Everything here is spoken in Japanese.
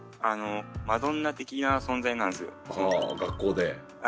マドンナ的な存在なんすよ。はあ学校で。